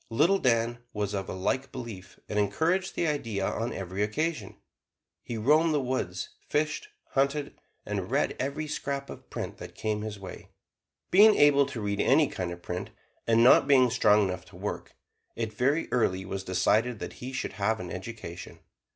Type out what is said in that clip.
Little Dan was of a like belief, and encouraged the idea on every occasion. He roamed the woods, fished, hunted, and read every scrap of print that came his way. Being able to read any kind of print, and not being strong enough to work, it very early was decided that he should have an education.